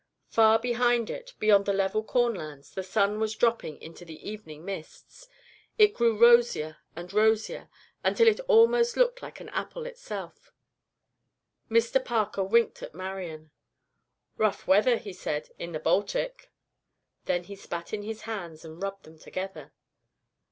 Far behind it, beyond the level cornlands, the sun was dropping into the evening mists. It grew rosier and rosier, until it almost looked like an apple itself. Mr Parker winked at Marian. "Rough weather," he said, "in the Baltic." Then he spat in his hands and rubbed them together.